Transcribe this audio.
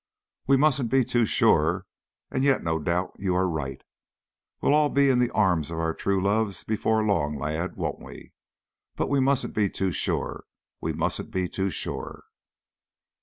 "We mustn't be too sure and yet no doubt you are right. We'll all be in the arms of our own true loves before long, lad, won't we? But we mustn't be too sure we mustn't be too sure."